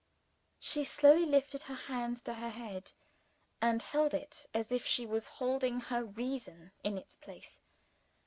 She slowly lifted her hands to her head, and held it as if she was holding her reason in its place.